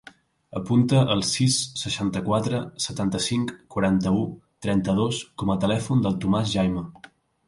Apunta el sis, seixanta-quatre, setanta-cinc, quaranta-u, trenta-dos com a telèfon del Tomàs Jaime.